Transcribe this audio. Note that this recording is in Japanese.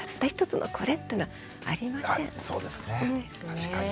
確かに。